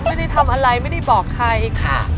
ไม่ได้ทำอะไรไม่ได้บอกใครค่ะ